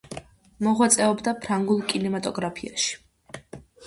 მოღვაწეობდა ფრანგულ კინემატოგრაფში.